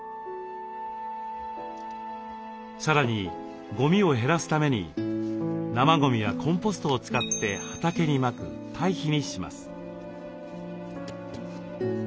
さらにごみを減らすために生ごみはコンポストを使って畑にまく堆肥にします。